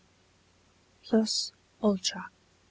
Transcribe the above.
PLUS ULTRA.